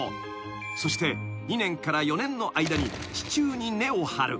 ［そして２年から４年の間に地中に根を張る］